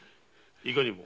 いかにも。